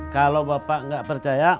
kalau bapak gak percaya